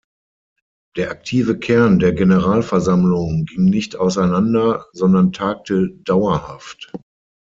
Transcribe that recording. Der aktive Kern der Generalversammlung ging nicht auseinander, sondern tagte dauerhaft.